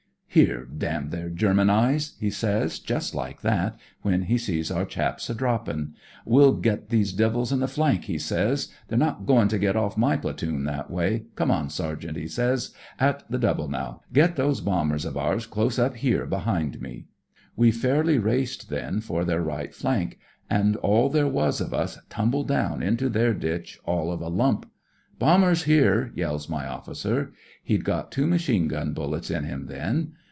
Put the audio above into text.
Here, damn their German eyes !' he says, just Hke that, when he see our chaps a droppin'. * We'll get these devils in [he flank,' he says. ' They're not goin' to tell off my platoon that way. Come on, Sergeant,' he says; *at the double now. Get those bombers of ours close up here behind me.' We fairly raced then for their right flank, an' all there was of us tumbled down into their ditch all of a lump. ' Bombers here I ' yells my officer. He'd got two machine gun bullets in him then.